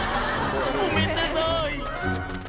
「ごめんなさい」